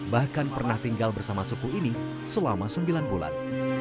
bahkan pernah tinggal bersama suku ini selama sembilan bulan